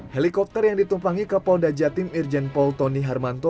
helikopter yang ditumpangi kapolda jatim irjen pol tony harmanto